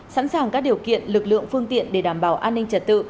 sẵn sàng các điều kiện lực lượng phương tiện để đảm bảo an ninh trật tự